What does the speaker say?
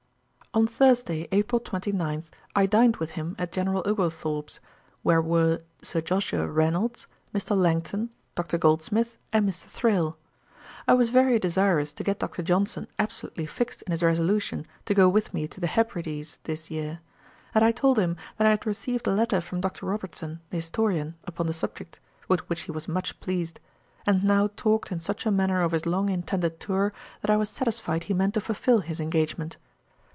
On Thursday, April 29, I dined with him at General Oglethorpe's, where were Sir Joshua Reynolds, Mr. Langton, Dr. Goldsmith, and Mr. Thrale. I was very desirous to get Dr. Johnson absolutely fixed in his resolution to go with me to the Hebrides this year; and I told him that I had received a letter from Dr. Robertson the historian, upon the subject, with which he was much pleased; and now talked in such a manner of his long intended tour, that I was satisfied he meant to fulfil his engagement.